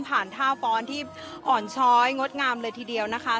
ท่าฟ้อนที่อ่อนช้อยงดงามเลยทีเดียวนะคะ